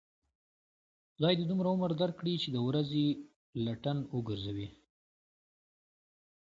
خدای دې دومره عمر در کړي، چې د ورځې لټن و گرځوې.